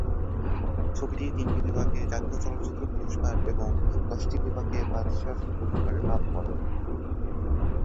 ছবিটি তিনটি বিভাগে জাতীয় চলচ্চিত্র পুরস্কার এবং দশটি বিভাগে বাচসাস পুরস্কার লাভ করে।